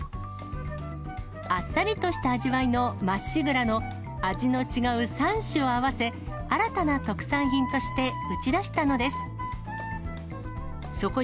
あっさりとした味わいのまっしぐらの、味の違う３種を合わせ、新たな特産品として打ち出したのです。